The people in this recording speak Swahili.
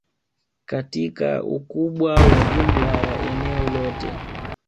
katika ukubwa wa jumla ya eneo lote